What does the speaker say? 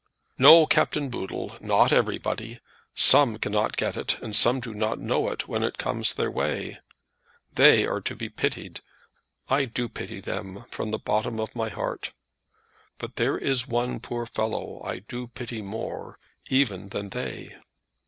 "No, Captain Boodle; not everybody. Some cannot get it, and some do not know it when it comes in their way. They are to be pitied. I do pity them from the bottom of my heart. But there is one poor fellow I do pity more even than they."